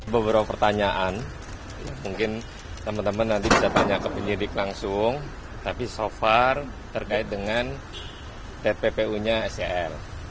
beberapa pertanyaan mungkin teman teman nanti bisa tanya ke penyidik langsung tapi so far terkait dengan tppu nya sel